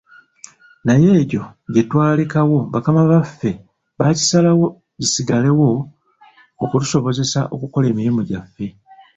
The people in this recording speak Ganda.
Naye egyo gye twalekawo bakama baffe baakisalawo gisigalewo okutusobozesa okukola emirimu gyaffe.